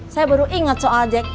saya baru ingat soal jack